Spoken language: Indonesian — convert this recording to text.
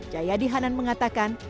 jayadi hanan mengatakan